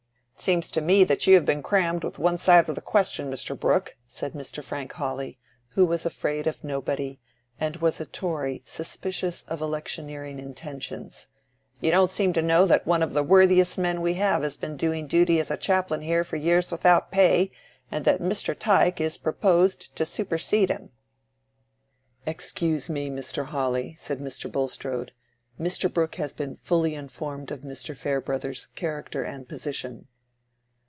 "It seems to me that you have been crammed with one side of the question, Mr. Brooke," said Mr. Frank Hawley, who was afraid of nobody, and was a Tory suspicious of electioneering intentions. "You don't seem to know that one of the worthiest men we have has been doing duty as chaplain here for years without pay, and that Mr. Tyke is proposed to supersede him." "Excuse me, Mr. Hawley," said Mr. Bulstrode. "Mr. Brooke has been fully informed of Mr. Farebrother's character and position."